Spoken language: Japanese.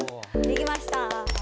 できました。